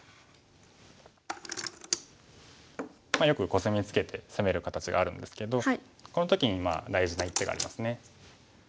よくコスミツケて攻める形があるんですけどこの時に大事な一手がありますね。